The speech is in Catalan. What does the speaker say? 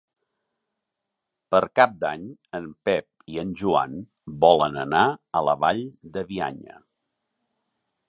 Per Cap d'Any en Pep i en Joan volen anar a la Vall de Bianya.